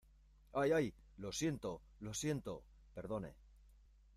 ¡ ay, ay! lo siento , lo siento. perdone .